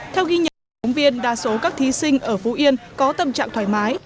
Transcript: theo ghi nhận đồng viên đa số các thí sinh ở phú yên có tâm trạng thoải mái